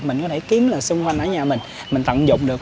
mình có thể kiếm là xung quanh ở nhà mình mình tận dụng được